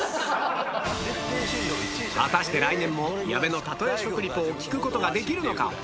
果たして来年も矢部の例え食リポを聞くことができるのか？